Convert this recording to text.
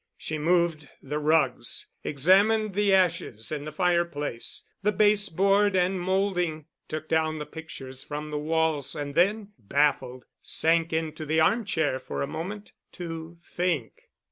She moved the rugs, examined the ashes in the fireplace, the base board and molding, took down the pictures from the walls and then, baffled, sank into the arm chair for a moment to think.